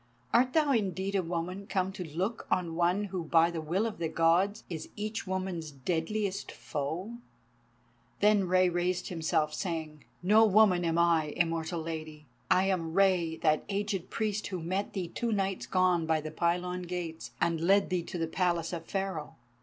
"Art thou indeed a woman come to look on one who by the will of the Gods is each woman's deadliest foe?" Then Rei raised himself saying: "No woman am I, immortal Lady. I am Rei, that aged priest who met thee two nights gone by the pylon gates, and led thee to the Palace of Pharaoh.